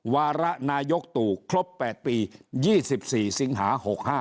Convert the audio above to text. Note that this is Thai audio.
วาระนายกตู่ครบ๘ปี๒๔สิงหา๖๕